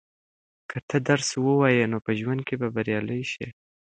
که ته درس ووایې نو په ژوند کې به بریالی شې.